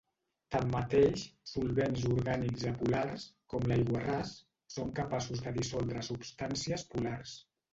Tanmateix solvents orgànics apolars, com l'aiguarràs, són capaços de dissoldre substàncies polars.